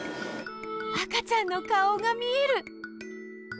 赤ちゃんの顔が見える！